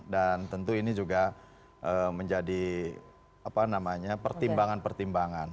dan tentu ini juga menjadi pertimbangan pertimbangan